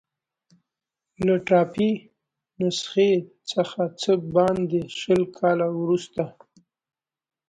له ټایپي نسخې څخه څه باندې شل کاله وروسته.